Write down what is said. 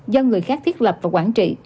do người khác thiết lập và quản trị